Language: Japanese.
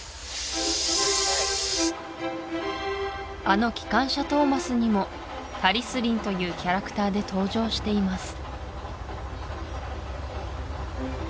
あの「機関車トーマス」にもタリスリンというキャラクターで登場しています